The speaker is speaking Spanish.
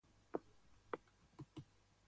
La Cofradía de Ntra.